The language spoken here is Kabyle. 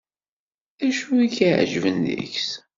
D acu ay k-iɛejben deg-s?